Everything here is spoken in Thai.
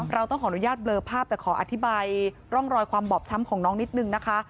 เราต้องขออนุญาตเบลอภาพแต่ขออธิบายร่องรอยความบอบช้ำของน้องนิดนึงนะคะ